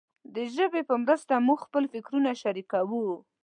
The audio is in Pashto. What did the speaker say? د ژبې په مرسته موږ خپل فکرونه شریکوو.